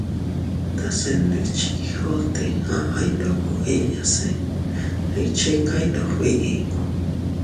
Tase ndikchi Quijote, aʼay ndoko inña se iychikay ndog biʼi.